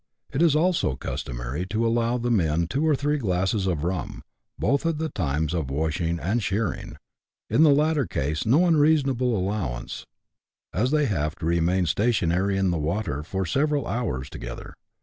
It is also customary to allow the men two or three glasses of rum, both at the times of wash ing and shearing ; in the latter case no unreasonable allowance, as they have to remain stationary in the water for several hours together.